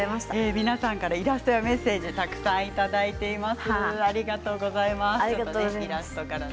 皆さんからイラストやメッセージをたくさんいただいています。